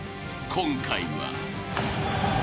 ［今回は？］